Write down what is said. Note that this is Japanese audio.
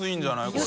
これ。